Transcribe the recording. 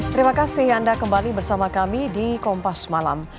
terima kasih anda kembali bersama kami di kompas malam